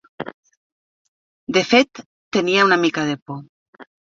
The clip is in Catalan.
De fet, tenia una mica de por.